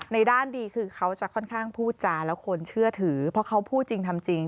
ด้านดีคือเขาจะค่อนข้างพูดจาแล้วคนเชื่อถือเพราะเขาพูดจริงทำจริง